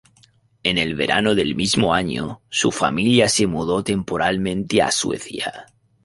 En el verano del mismo año, su familia se mudó temporalmente a Suecia.